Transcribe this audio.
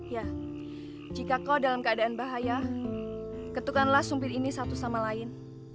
ya jika kau dalam keadaan bahaya ketukanlah sumpir ini satu sama lain